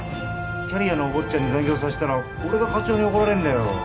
キャリアのお坊ちゃんに残業さしたら俺が課長に怒られるんだよ